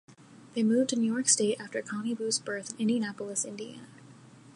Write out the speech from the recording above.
They moved to New York state after Connie Booth's birth in Indianapolis, Indiana.